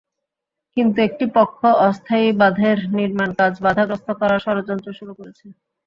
কিন্তু একটি পক্ষ অস্থায়ী বাঁধের নির্মাণকাজ বাধাগ্রস্ত করার ষড়যন্ত্র শুরু করেছে।